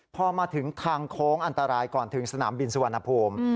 พอมาถึงทางโค้งอันตรายก่อนถึงสนามบินสุวรรณภูมิ